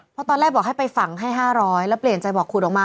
เพราะตอนแรกบอกให้ไปฝังให้๕๐๐แล้วเปลี่ยนใจบอกขุดออกมา